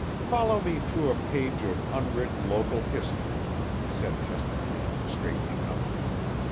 "Follow me through a page of unwritten local history," said Chester Kent, straightening up.